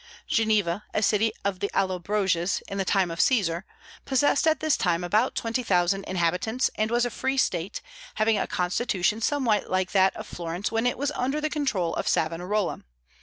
Geneva, a city of the Allobroges in the time of Caesar, possessed at this time about twenty thousand inhabitants, and was a free state, having a constitution somewhat like that of Florence when it was under the control of Savonarola.